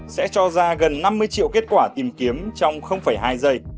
sẽ cho ra gần năm mươi triệu kết quả tìm kiếm trong hai giây